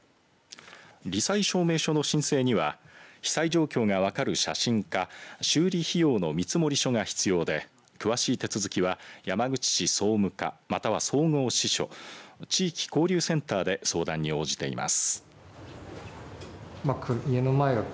り災証明書の申請には被災状況が分かる写真か修理費用の見積書が必要で詳しい手続きは山口市総務課または総合支所地域交流センターで相談に応じています。